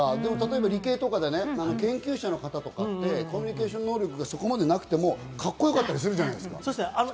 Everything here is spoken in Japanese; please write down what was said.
理系とかで研究者の方ってコミュニケーションの力がそこまでなくても、かっこよかったりするじゃない。